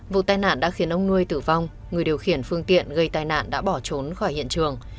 vụ tai nạn đã khiến ông nuôi tử vong người điều khiển phương tiện gây tai nạn đã bỏ trốn khỏi hiện trường